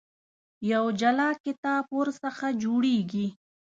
یو جلا کتاب ورڅخه جوړېږي.